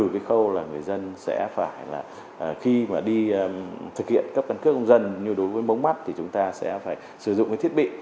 cái khâu là người dân sẽ phải là khi mà đi thực hiện cấp căn cước công dân như đối với mống mắt thì chúng ta sẽ phải sử dụng cái thiết bị